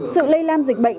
sự lây lan dịch bệnh